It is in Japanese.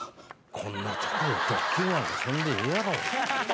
こんな所でドッキリなんてせんでええやろ。